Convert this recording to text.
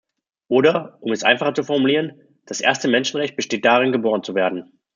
Oder, um es einfacher zu formulieren, das erste Menschenrecht besteht darin, geboren zu werden.